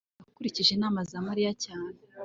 ndabaga yakurikije inama za mariya cyane